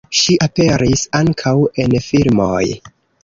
Ŝi aperis ankaŭ en filmoj.